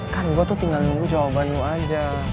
kan gue tuh tinggal nunggu jawaban lo aja